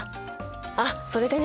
あっそれでね